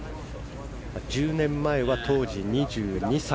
１０年前は当時２２歳。